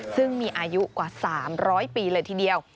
ซึ่งมีอายุกว่า๓๐๐ปีเลยทีเดียว